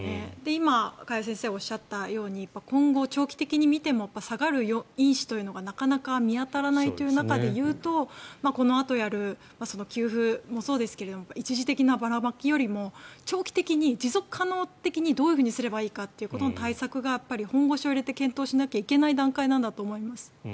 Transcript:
今、加谷先生がおっしゃったように今後、長期的に見ても下がる因子というのがなかなか見当たらないという中でいうとこのあとやる給付もそうですけど一時的なばらまきよりも長期的に持続可能的にどういうふうにすればいいのかというところの対策を本腰を入れて対策していかないといけない段階なんだと思います。